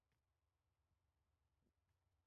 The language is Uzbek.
Xitoydan keltirishga hech qanday ehtiyoj qolmagan.